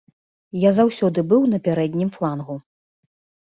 Я заўсёды быў на пярэднім флангу.